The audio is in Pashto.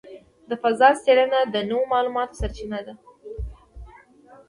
د فضاء څېړنه د نوو معلوماتو سرچینه ده.